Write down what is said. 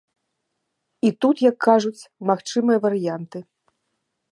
І тут, як кажуць, магчымыя варыянты.